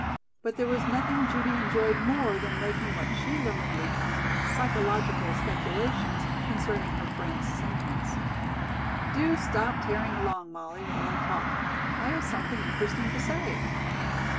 But there was nothing Judy enjoyed more than making what she learnedly termed "psychological speculations" concerning her friends' sentiments. "Do stop tearing along, Molly, while I talk. I have something interesting to say."